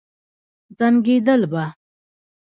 زنګېدل به.